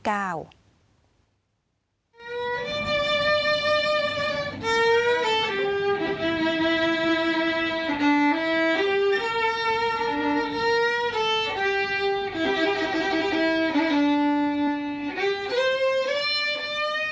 พันธุ์ชาติพันธุมีพลาดจากมุมโรวตัดมคีย์ของปุ๊บ